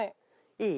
いい？